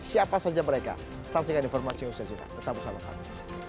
siapa saja mereka saksikan informasi yang ustaz suka tetap bersama kami